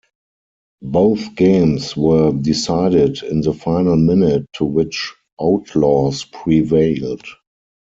Both games were decided in the final minute to which Outlaws prevailed.